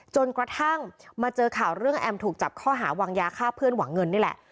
จนกระทั่งมาเจอข่าวเรื่องแอมถูกจับข้อหาวางยาฆ่าเพื่อนหวังเงินนี่แหละ